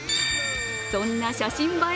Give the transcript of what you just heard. そんな写真映え